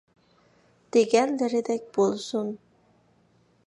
دېگەنلىرىدەك بولسۇن!